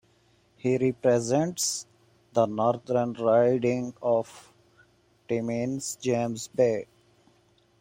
He represents the northern riding of Timmins-James Bay.